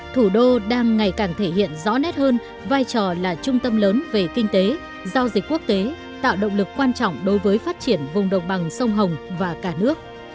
thủ đô đang ngày càng thể hiện rõ nét hơn vai trò là trung tâm lớn về kinh tế giao dịch quốc tế tạo động lực quan trọng đối với phát triển vùng đồng bằng sông hồng và cả nước